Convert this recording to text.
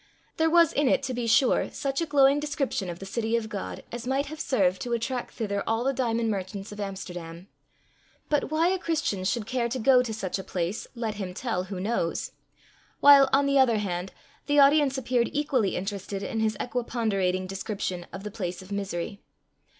There was in it, to be sure, such a glowing description of the city of God as might have served to attract thither all the diamond merchants of Amsterdam; but why a Christian should care to go to such a place, let him tell who knows; while, on the other hand, the audience appeared equally interested in his equiponderating description of the place of misery.